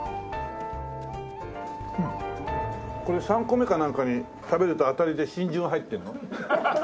これ３個目かなんかに食べると当たりで真珠が入ってるの？